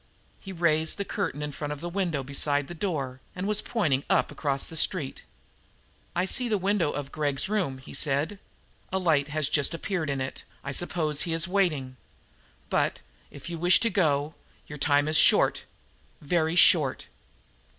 He had raised the curtain of the front window beside the door and was pointing up and across the street. "I see the window of Gregg's room," he said. "A light has just appeared in it. I suppose he is waiting. But, if you wish to go, your time is short very short!"